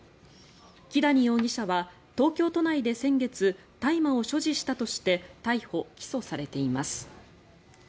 木谷容疑者は東京都内で先月大麻を所持したとして逮捕・起訴されています。